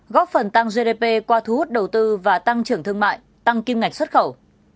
góp phần tăng gdp qua thu hút đầu tư và tăng trưởng thương mại tăng kim ngạch xuất khẩu